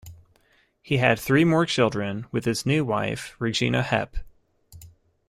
He had three more children with his new wife Regina Hepp.